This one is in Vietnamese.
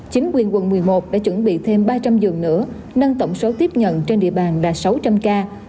chính quyền quận một mươi một đã chuẩn bị thêm ba trăm linh giường nữa nâng tổng số tiếp nhận trên địa bàn là sáu trăm linh ca